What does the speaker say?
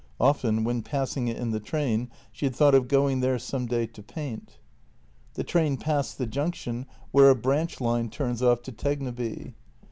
Often when passing it in the train she had thought of going there some day to paint. The train passed the junction where a branch line turns off to Tegneby.